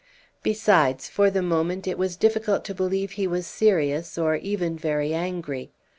Besides, for the moment, it was difficult to believe he was serious, or even very angry.